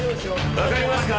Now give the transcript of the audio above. わかりますか？